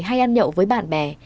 hay ăn nhậu với bạn bè